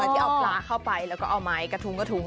และดิพิ์เอาปลาก็เอาไปแล้วก็เอามาใหม่กระทุมกระทุม